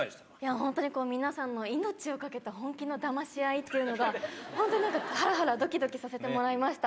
本当に皆さんの命を懸けた本気のだまし合いというのが、本当になんか、はらはらどきどきさせてもらいました。